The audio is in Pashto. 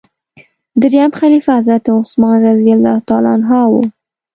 دریم خلیفه حضرت عثمان رض و.